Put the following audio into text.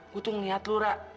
gue tuh ngeliat lu ra